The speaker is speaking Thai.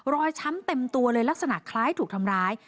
ช้ำเต็มตัวเลยลักษณะคล้ายถูกทำร้าย